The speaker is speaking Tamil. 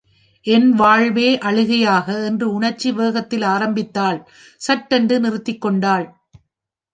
என் வாழ்வே அழுகையாக... என்று உணர்ச்சி வேகத்தில் ஆரம்பித்தாள் சட்டென்று நிறுத்திக்கொண்டாள்.